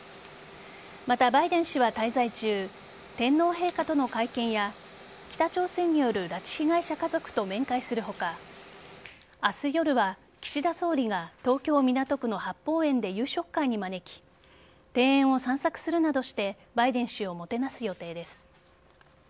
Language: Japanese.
また、バイデン氏は滞在中天皇陛下との会見や北朝鮮による拉致被害者家族と面会する他明日夜は岸田総理が東京・港区の八芳園で夕食会に招き庭園を散策するなどしてバイデン氏をもてなす予定です。